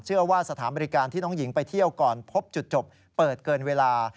ว่าสถานบริการที่น้องหญิงไปเที่ยวก่อนพบจุดจบเปิดเกินเวลา